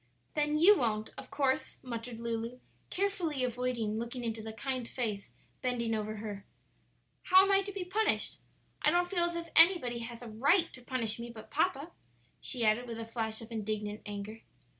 "Then you won't, of course," muttered Lulu, carefully avoiding looking into the kind face bending over her; "how am I to be punished? I don't feel as if anybody has a right to punish me but papa," she added, with a flash of indignant anger.